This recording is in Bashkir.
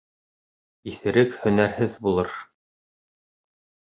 Иҫерек һөнәрһеҙ булыр.